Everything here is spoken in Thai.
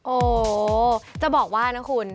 โอ้โหจะบอกว่านะคุณ